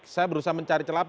saya berusaha mencari celaka